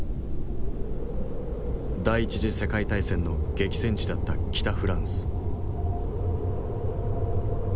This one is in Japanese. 第一次世界大戦の激戦地だった北フランス。